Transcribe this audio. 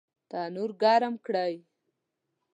تنور ګرم کړئ